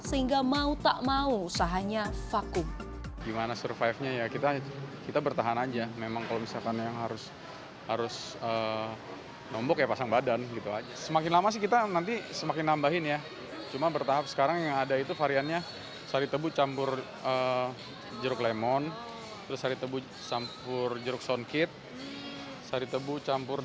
sehingga mau tak mau usahanya vakum